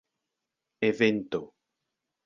evento